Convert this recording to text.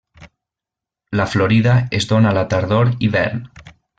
La florida es dóna a la tardor-hivern.